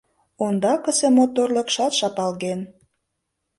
Ондакысе моторлыкшат шапалген.